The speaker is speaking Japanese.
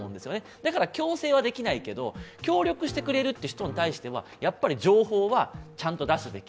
だから強制はできないけど、協力してくれる人に対してはやっぱり情報はちゃんと出すべき。